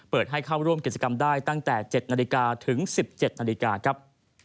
ให้เข้าร่วมกิจกรรมได้ตั้งแต่๗นาฬิกาถึง๑๗นาฬิกาครับ